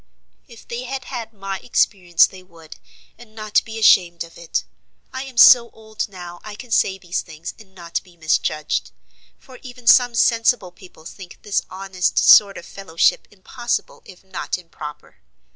"If they had had my experience they would, and not be ashamed of it. I am so old now I can say these things and not be misjudged; for even some sensible people think this honest sort of fellowship impossible if not improper.